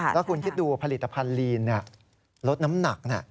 แล้วคุณคิดดูผลิตภัณฑ์ลีนลดน้ำหนัก